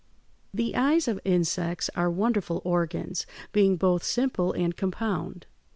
] The eyes of insects are wonderful organs, being both simple and compound.